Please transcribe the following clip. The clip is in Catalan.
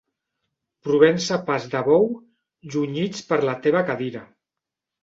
Provença a pas de bou, junyits per la teva cadira.